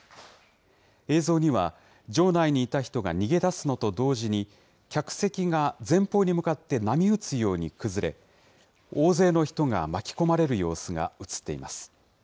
映像には、場内にいた人が逃げ出すのと同時に、客席が前方に向かって波打つように崩れ、大勢の人が巻き込まれる様子が映っています。